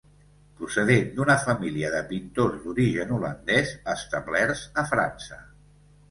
Procedent d'una família de pintors d'origen holandès establerts a França.